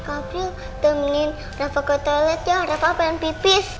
april temenin rafa ke toilet ya rafa pengen pipis